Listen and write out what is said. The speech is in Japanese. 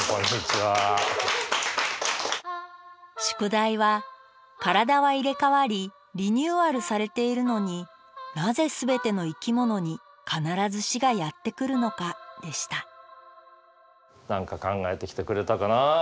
宿題は「体は入れ替わりリニューアルされているのになぜ全ての生き物に必ず死がやってくるのか」でした何か考えてきてくれたかな？